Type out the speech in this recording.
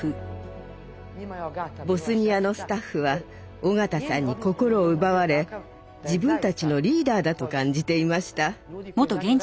ボスニアのスタッフは緒方さんに心を奪われ自分たちのリーダーだと感じていました。